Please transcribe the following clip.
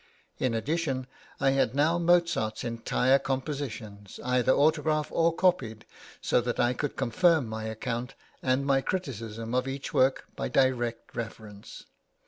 In addition, I had now Mozart's entire compositions, either autograph or copied, so that I could confirm my account and my criticism of each work by direct reference.